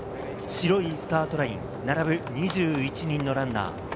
白いスタートライン、並ぶ２１人のランナー。